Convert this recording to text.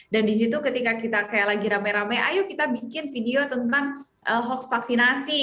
dan di situ ketika kita kayak lagi rame rame ayo kita bikin video tentang hoax vaksinasi